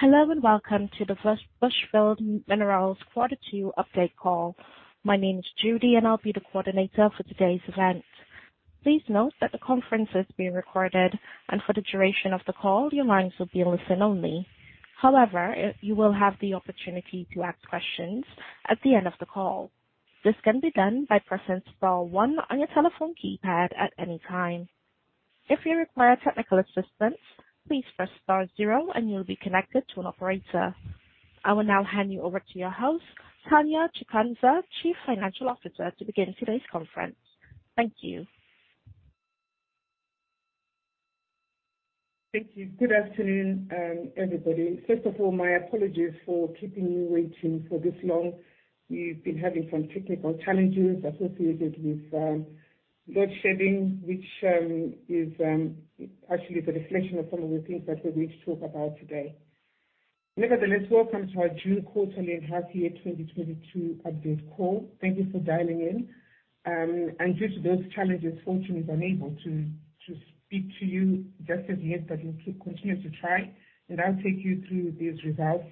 Hello and welcome to the Bushveld Minerals Quarter Two update call. My name is Judy and I'll be the coordinator for today's event. Please note that the conference is being recorded and for the duration of the call, your lines will be listen only. However, you will have the opportunity to ask questions at the end of the call. This can be done by pressing star one on your telephone keypad at any time. If you require technical assistance, please press star zero and you'll be connected to an operator. I will now hand you over to your host, Tanya Chikanza, Chief Financial Officer, to begin today's conference. Thank you. Thank you. Good afternoon, everybody. First of all, my apologies for keeping you waiting for this long. We've been having some technical challenges associated with load shedding, which is actually the reflection of some of the things that we're going to talk about today. Welcome to our June quarterly and half year 2022 update call. Thank you for dialing in. Due to those challenges, Fortune is unable to speak to you just as yet, but we'll keep continuing to try and I'll take you through these results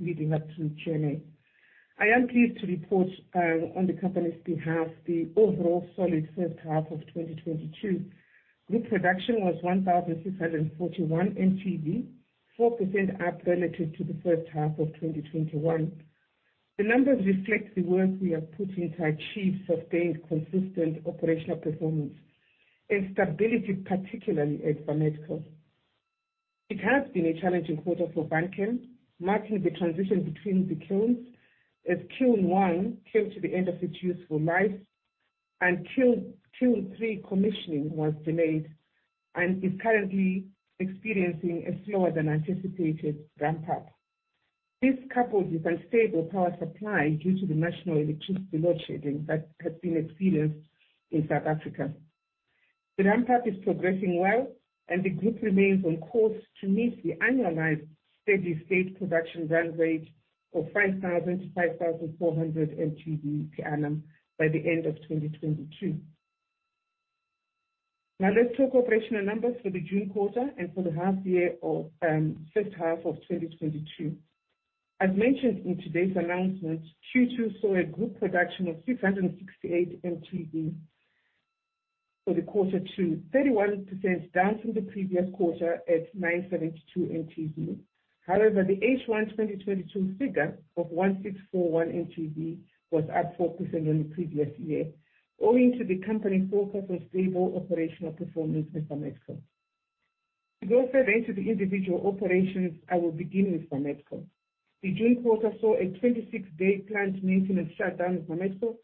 leading up to June end. I am pleased to report on the company's behalf the overall solid first half of 2022. Group production was 1,641 mtV, 4% up relative to the first half of 2021. The numbers reflect the work we have put in to achieve sustained, consistent operational performance and stability, particularly at Vametco. It has been a challenging quarter for Vanchem, marking the transition between the kilns, as Kiln 1 came to the end of its useful life and Kiln 3 commissioning was delayed and is currently experiencing a slower than anticipated ramp-up. This coupled with unstable power supply due to the national electricity load shedding that has been experienced in South Africa. The ramp-up is progressing well and the group remains on course to meet the annualized steady-state production run rate of 5,000-5,400 mtV per annum by the end of 2022. Now let's talk operational numbers for the June quarter and for the half year of first half of 2022. As mentioned in today's announcement, Q2 saw a group production of 668 mtV for the quarter to 31% down from the previous quarter at 972 mtV. However, the H1 2022 figure of 1,641 mtV was up 4% on the previous year, owing to the company's focus on stable operational performance at Vanchem. To go further into the individual operations, I will begin with Vanchem. The June quarter saw a 26-day plant maintenance shutdown at Vanchem,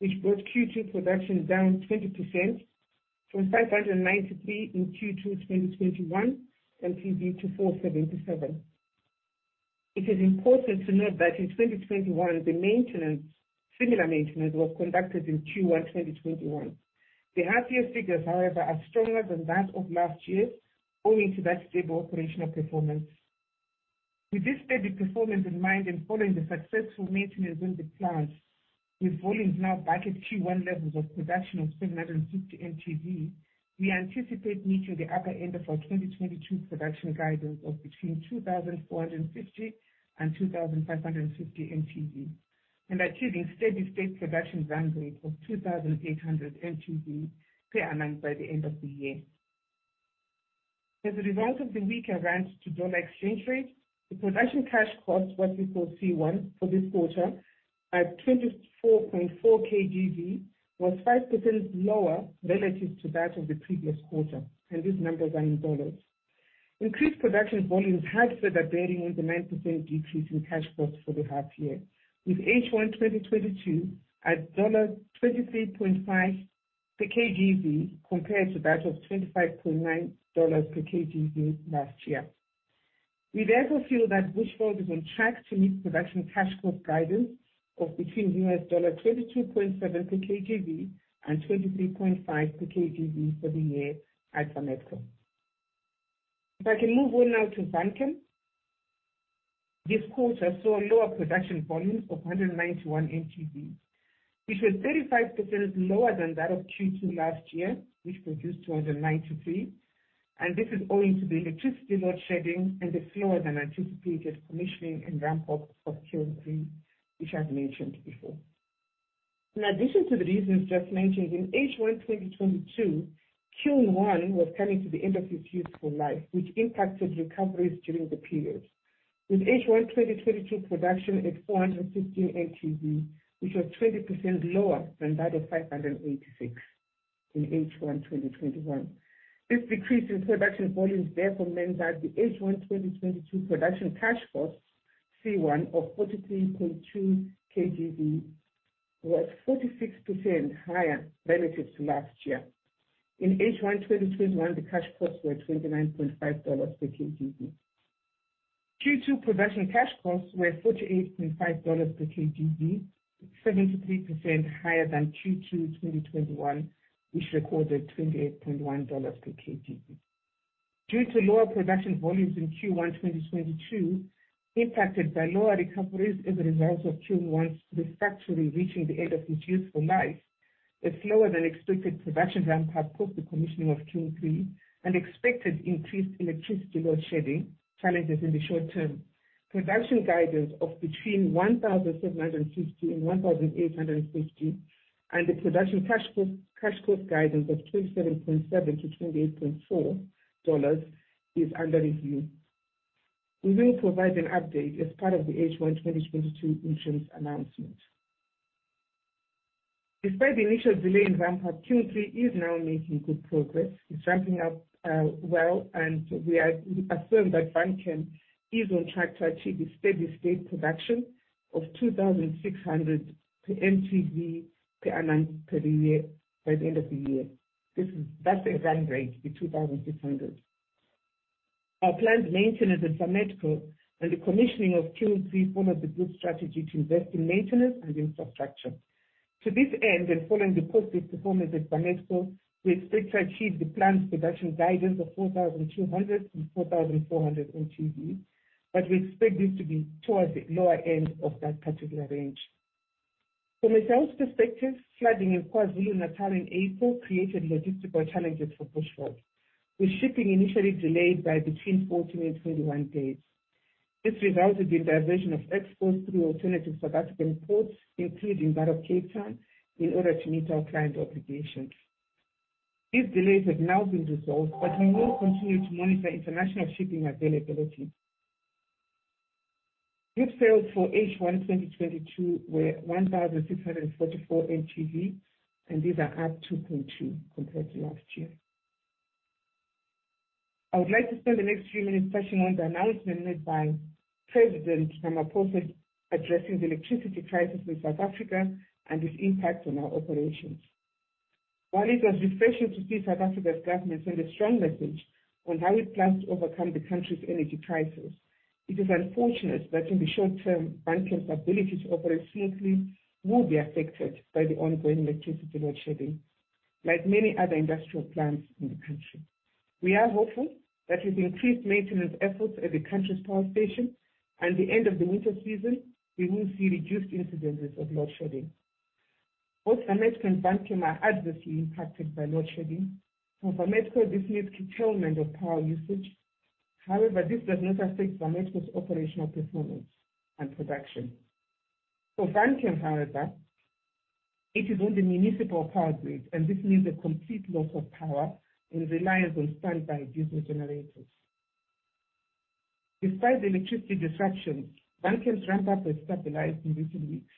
which brought Q2 production down 20% from 593 in Q2 2021 mtV to 477. It is important to note that in 2021, the maintenance, similar maintenance was conducted in Q1 2021. The half year figures, however, are stronger than that of last year, owing to that stable operational performance. With this steady performance in mind and following the successful maintenance in the plant, with volumes now back at Q1 levels of production of 760 mtV, we anticipate meeting the upper end of our 2022 production guidance of between 2,450 and 2,550 mtV and achieving steady-state production run rate of 2,800 mtV per annum by the end of the year. As a result of the weaker rand-to-dollar exchange rate, the production cash costs, what we call C1 for this quarter, at $24.4/kgV was 5% lower relative to that of the previous quarter, and these numbers are in dollars. Increased production volumes had further bearing on the 9% decrease in cash costs for the half year, with H1 2022 at $23.5 per kgV, compared to that of $25.9 per kgV last year. We therefore feel that Bushveld is on track to meet production cash cost guidance of between $22.7 per kgV and $23.5 per kgV for the year at Vametco. If I can move on now to Vanchem. This quarter saw a lower production volume of 191 mtV. It was 35% lower than that of Q2 last year, which produced 293. This is owing to the electricity load shedding and the slower than anticipated commissioning and ramp-up of Kiln 3, which I've mentioned before. In addition to the reasons just mentioned, in H1 2022, Kiln 1 was coming to the end of its useful life, which impacted recoveries during the period. With H1 2022 production at 415 mtV, which was 20% lower than that of 586 in H1 2021. This decrease in production volumes therefore meant that the H1 2022 production cash costs, C1, of $43.2 kgV was 46% higher relative to last year. In H1 2021, the cash costs were $29.5 per kgV. Q2 production cash costs were $48.5 per kgV, 73% higher than Q2 2021, which recorded $28.1 per kgV. Due to lower production volumes in Q1 2022, impacted by lower recoveries as a result of Kiln 1's refractory reaching the end of its useful life, a slower than expected production ramp up post the commissioning of Kiln 3 and expected increased electricity load shedding challenges in the short term. Production guidance of between 1,750 and 1,850 and the production cash cost guidance of $27.7-$28.4 is under review. We will provide an update as part of the H1 2022 interim announcement. Despite the initial delay in ramp up, Kiln 3 is now making good progress. It's ramping up well, and we are assured that Vanchem is on track to achieve a steady state production of 2,600 mtV per annum per year by the end of the year. That's a run rate, the 2,600. Our planned maintenance at Vametco and the commissioning of Kiln 3 form of the group's strategy to invest in maintenance and infrastructure. To this end, and following the positive performance at Vametco, we expect to achieve the planned production guidance of 4,200-4,400 mtV, but we expect this to be towards the lower end of that particular range. From a sales perspective, flooding in KwaZulu-Natal in April created logistical challenges for Bushveld, with shipping initially delayed by between 14 and 21 days. This resulted in diversion of exports through alternative South African ports, including that of Cape Town, in order to meet our client obligations. These delays have now been resolved, but we will continue to monitor international shipping availability. Group sales for H1 2022 were 1,644 mtV, and these are up 2.2% compared to last year. I would like to spend the next few minutes touching on the announcement made by President Ramaphosa addressing the electricity crisis in South Africa and its impact on our operations. While it was refreshing to see South Africa's government send a strong message on how it plans to overcome the country's energy crisis, it is unfortunate that in the short term, Vanchem's ability to operate smoothly will be affected by the ongoing electricity load shedding, like many other industrial plants in the country. We are hopeful that with increased maintenance efforts at the country's power station and the end of the winter season, we will see reduced incidences of load shedding. Both Vametco and Vanchem are adversely impacted by load shedding. For Vametco, this means curtailment of power usage. However, this does not affect Vametco's operational performance and production. For Vanchem, however, it is on the municipal power grid, and this means a complete loss of power and reliance on standby diesel generators. Despite the electricity disruption, Vanchem's ramp up has stabilized in recent weeks,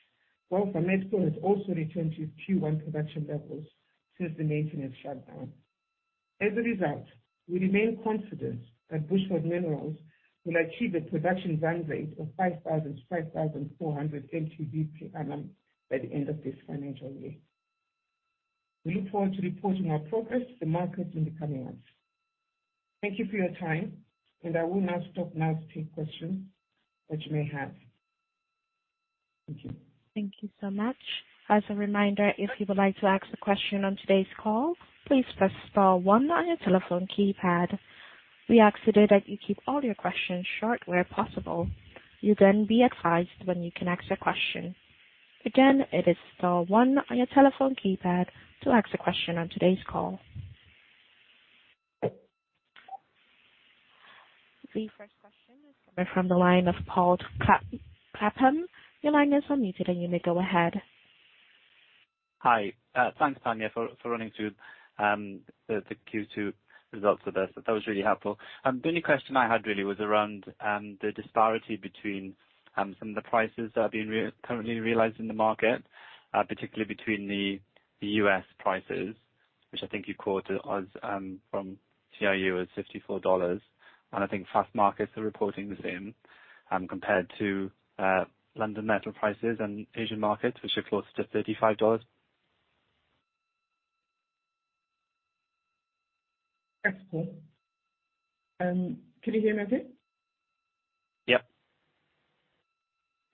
while Vametco has also returned to Q1 production levels since the maintenance shutdown. As a result, we remain confident that Bushveld Minerals will achieve a production run rate of 5,000-5,400 mtV per annum by the end of this financial year. We look forward to reporting our progress to the market in the coming months. Thank you for your time, and I will now stop now to take questions that you may have. Thank you. Thank you so much. As a reminder, if you would like to ask a question on today's call, please press star one on your telephone keypad. We ask today that you keep all your questions short where possible. You'll then be advised when you can ask your question. Again, it is star one on your telephone keypad to ask a question on today's call. The first question is coming from the line of Paul Clapham. Your line is unmuted, and you may go ahead. Hi. Thanks, Tanya, for running through the Q2 results with us. That was really helpful. The only question I had really was around the disparity between some of the prices that are being currently realized in the market, particularly between the U.S. prices, which I think you quoted as from CRU as $54. I think Fastmarkets are reporting the same, compared to London metal prices and Asian markets, which are closer to $35. That's cool. Can you hear me okay? Yep.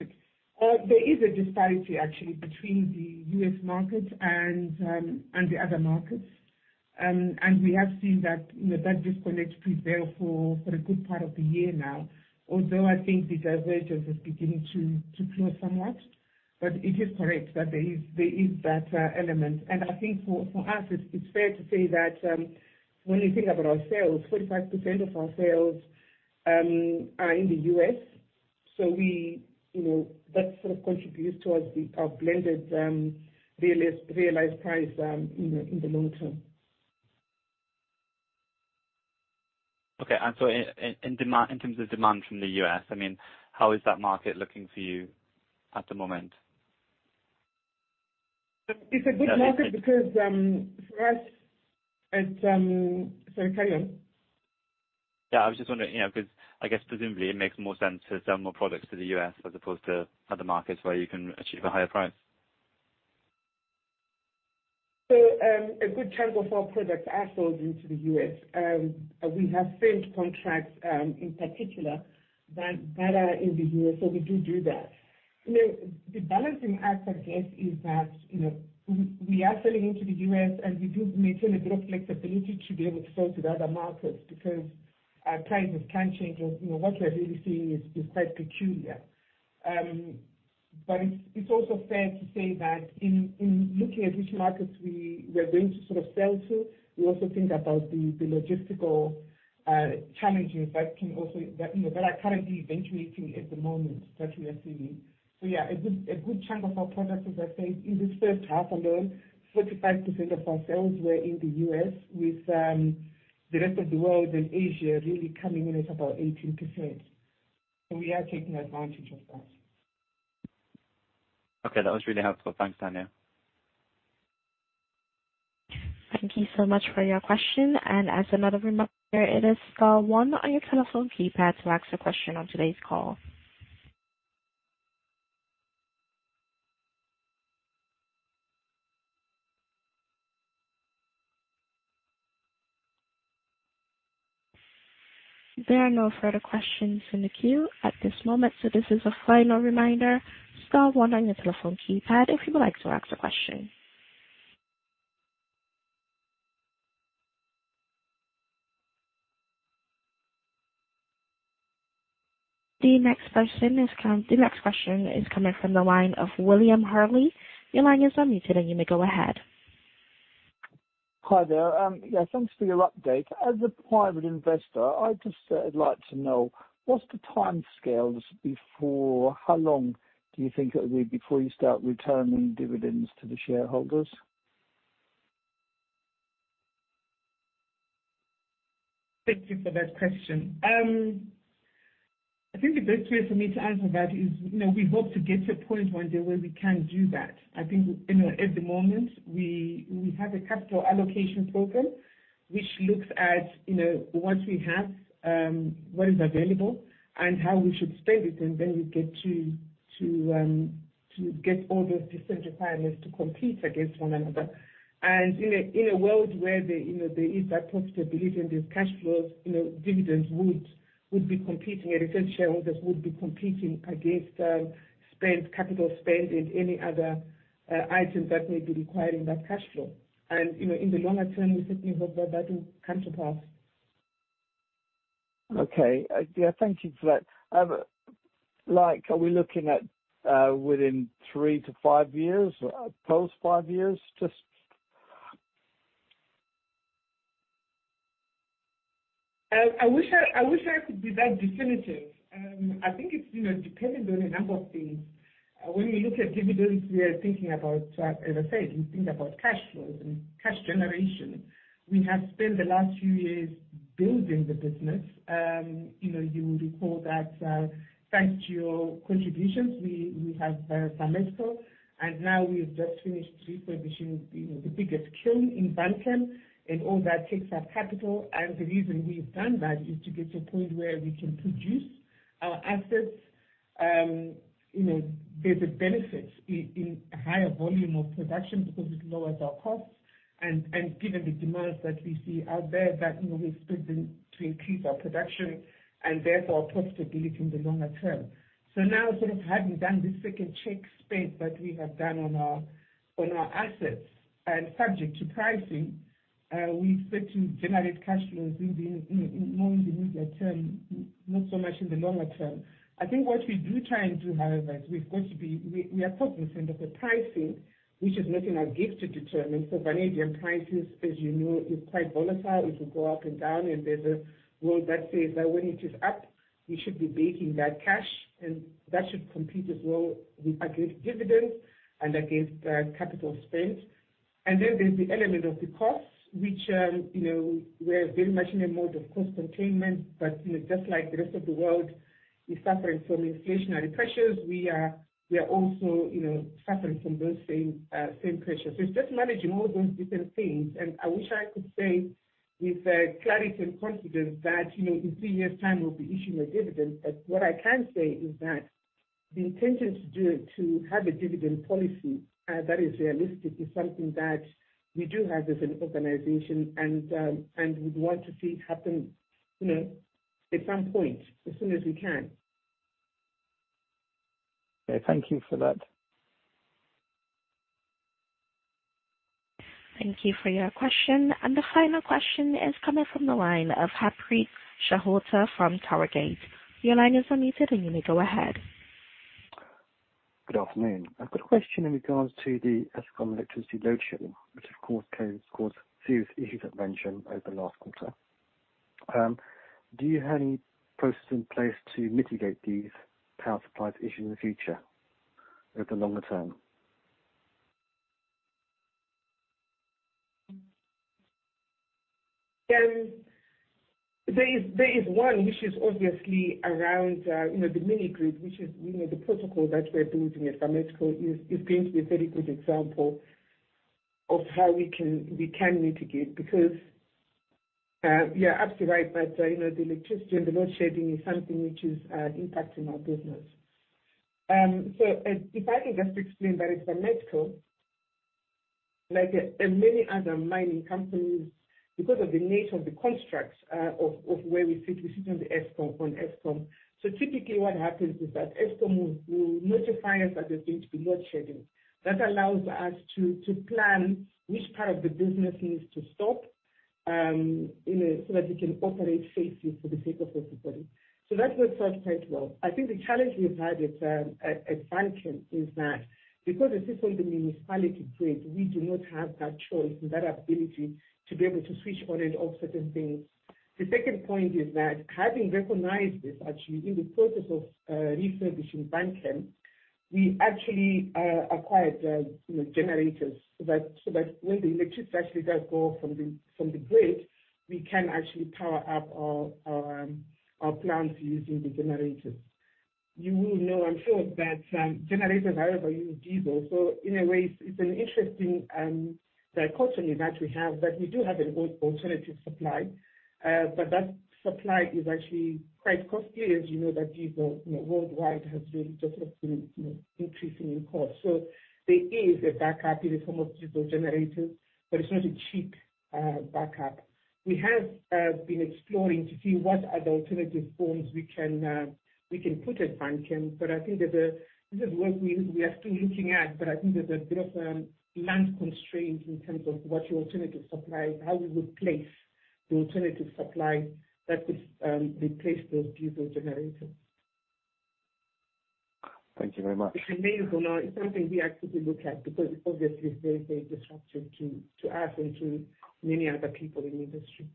Good. There is a disparity actually between the U.S. market and the other markets. We have seen that, you know, that disconnect prevail for a good part of the year now. Although I think the divergence is beginning to close somewhat. It is correct that there is that element. I think for us, it's fair to say that, when you think about our sales, 45% of our sales are in the U.S. We, you know, that sort of contributes towards our blended realized price in the long term. Okay. In terms of demand from the U.S., I mean, how is that market looking for you at the moment? It's a good market. Yeah. Sorry, carry on. Yeah. I was just wondering, you know, because I guess presumably it makes more sense to sell more products to the U.S. as opposed to other markets where you can achieve a higher price. A good chunk of our products are sold into the US. We have firm contracts, in particular that are in the U.S., so we do that. You know, the balancing act I guess is that, you know, we are selling into the U.S. and we do maintain a bit of flexibility to be able to sell to the other markets because prices can change. You know, what we are really seeing is quite peculiar. But it's also fair to say that in looking at which markets we are going to sort of sell to, we also think about the logistical challenges that are currently eventuating at the moment that we are seeing. Yeah, a good chunk of our product, as I say, in this first half alone, 45% of our sales were in the U.S. with the rest of the world and Asia really coming in at about 18%. We are taking advantage of that. Okay, that was really helpful. Thanks, Tanya. Thank you so much for your question. As another reminder, it is star one on your telephone keypad to ask a question on today's call. There are no further questions in the queue at this moment, so this is a final reminder. Star one on your telephone keypad if you would like to ask a question. The next question is coming from the line of William Hurley. Your line is unmuted, and you may go ahead. Hi there. Yeah, thanks for your update. As a private investor, I just would like to know how long do you think it'll be before you start returning dividends to the shareholders? Thank you for that question. I think the best way for me to answer that is, you know, we hope to get to a point one day where we can do that. I think, you know, at the moment, we have a capital allocation program which looks at, you know, what we have, what is available, and how we should spend it, and then we get to get all those different requirements to compete against one another. In a world where there, you know, there is that profitability and there's cash flows, you know, dividends would be competing, and return shareholders would be competing against spend, capital spend in any other item that may be requiring that cash flow. You know, in the longer term, we certainly hope that that will come to pass. Okay. Yeah, thank you for that. Like, are we looking at within 3-5 years or post 5 years? I wish I could be that definitive. I think it's, you know, dependent on a number of things. When we look at dividends, we are thinking about, as I said, we think about cash flows and cash generation. We have spent the last few years building the business. You know, you will recall that, thanks to your contributions, we have Vametco, and now we have just finished refurbishing, you know, the biggest kiln in Vanchem, and all that takes up capital. The reason we've done that is to get to a point where we can produce our assets, there's a benefit in a higher volume of production because it lowers our costs. Given the demands that we see out there, you know, we expect them to increase our production and therefore profitability in the longer term. Now, sort of having done the second capital spend that we have done on our assets, and subject to pricing, we expect to generate cash flows more in the near term, not so much in the longer term. I think what we do try and do, however, is our top concern is the pricing, which is not in our gift to determine. Vanadium prices, as you know, is quite volatile. It will go up and down, and there's a rule that says that when it is up, we should be banking that cash, and that should compete as well against dividends and against capital spend. Then there's the element of the costs, which, you know, we're very much in a mode of cost containment. You know, just like the rest of the world is suffering from inflationary pressures, we are also, you know, suffering from those same pressures. It's just managing all those different things. I wish I could say with clarity and confidence that, you know, in three years' time we'll be issuing a dividend. What I can say is that the intention to do it, to have a dividend policy, that is realistic, is something that we do have as an organization and we'd want to see it happen, you know, at some point as soon as we can. Okay, thank you for that. Thank you for your question. The final question is coming from the line of Harpreet Sahota from Towergate. Your line is unmuted, and you may go ahead. Good afternoon. I've got a question in regards to the Eskom electricity load shedding, which of course caused serious issues at mine over the last quarter. Do you have any processes in place to mitigate these power supply issues in the future over the longer term? There is one which is obviously around, you know, the mini-grid, which is, you know, the project that we're building at Vametco is going to be a very good example of how we can mitigate. Because you're absolutely right that, you know, the electricity and the load shedding is something which is impacting our business. If I can just explain that at Vametco, like, and many other mining companies, because of the nature of the construct of where we sit on Eskom. Typically what happens is that Eskom will notify us that there's going to be load shedding. That allows us to plan which part of the business needs to stop, so that we can operate safely for the sake of everybody. That worked out quite well. I think the challenge we've had at Vanchem is that because it sits on the municipality grid, we do not have that choice and that ability to be able to switch on and off certain things. The second point is that having recognized this, actually, in the process of refurbishing Vanchem, we actually acquired, you know, generators. So that when the electricity actually does go off from the grid, we can actually power up our plants using the generators. You will know, I'm sure that generators however use diesel, so in a way it's an interesting dichotomy that we have. We do have an alternative supply. That supply is actually quite costly, as you know that diesel, you know, worldwide has really just, you know, increasing in cost. There is a backup in the form of diesel generators, but it's not a cheap backup. We have been exploring to see what are the alternative forms we can put at Vanchem, but I think this is work we are still looking at, but I think there's a bit of land constraints in terms of what the alternative supply, how we would place the alternative supply that would replace those diesel generators. Thank you very much. It's amazing. It's something we actively look at because it obviously is very, very disruptive to us and to many other people in the industry.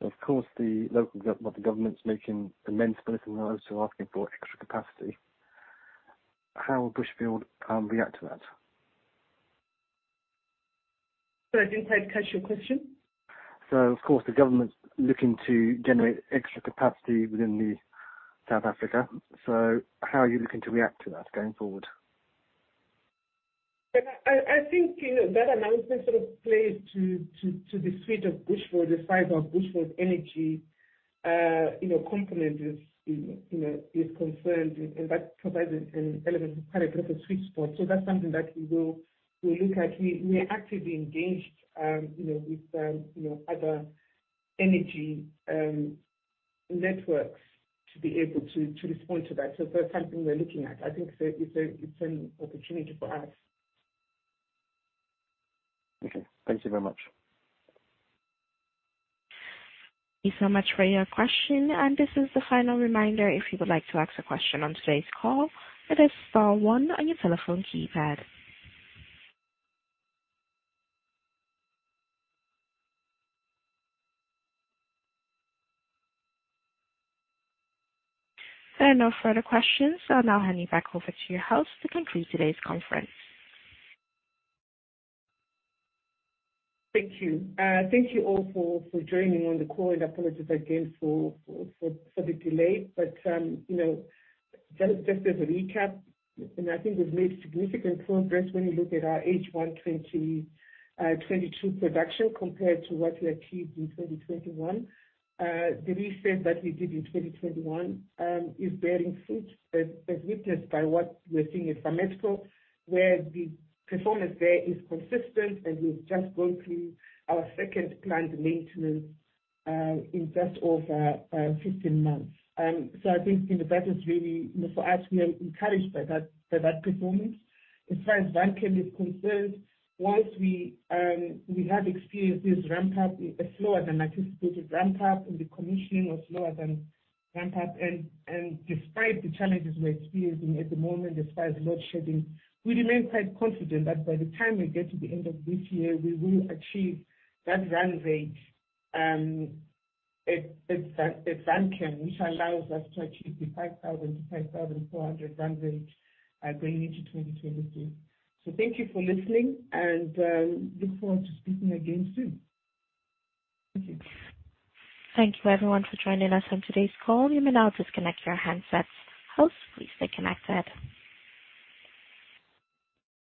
Of course, well, the government's making immense political noise so asking for extra capacity. How will Bushveld react to that? Sorry, I didn't quite catch your question. Of course, the government's looking to generate extra capacity within South Africa, so how are you looking to react to that going forward? Yeah, I think that announcement sort of plays to the suite of Bushveld, the size of Bushveld Energy, you know, component is concerned, and that provides an element of quite a bit of sweet spot. That's something that we will look at. We are actively engaged, you know, with other energy networks to be able to respond to that. That's something we're looking at. I think it's an opportunity for us. Okay. Thank you very much. Thank you so much for your question. This is the final reminder, if you would like to ask a question on today's call, press star one on your telephone keypad. There are no further questions. I'll now hand it back over to you, host, to conclude today's conference. Thank you. Thank you all for joining on the call, and apologies again for the delay. You know, just as a recap, I think we've made significant progress when you look at our H1 2022 production compared to what we achieved in 2021. The reset that we did in 2021 is bearing fruit, as witnessed by what we're seeing at Vametco, where the performance there is consistent, and we've just gone through our second plant maintenance in just over 15 months. I think, you know, that is really, you know, for us, we are encouraged by that performance. As far as Vanchem is concerned, whilst we have experienced this ramp up, a slower than anticipated ramp up, and the commissioning was slower than ramp up. Despite the challenges we're experiencing at the moment, despite load shedding, we remain quite confident that by the time we get to the end of this year, we will achieve that run rate at Vanchem, which allows us to achieve the 5,000-5,400 run rate going into 2022. Thank you for listening and look forward to speaking again soon. Thank you. Thank you everyone for joining us on today's call. You may now disconnect your handsets. Fortune, please stay connected.